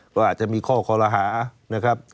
ก็อาจจะมีข้อคอรหานะครับ